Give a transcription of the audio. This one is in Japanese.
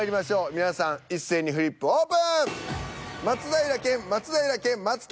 皆さん一斉にフリップオープン！